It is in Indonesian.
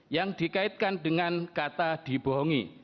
yang dikaitkan dengan kata dibohongi